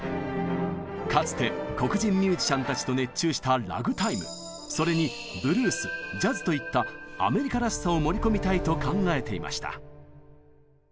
かつて黒人ミュージシャンたちと熱中したラグタイムそれにブルースジャズといったアメリカらしさを盛り込みたいと考えていました。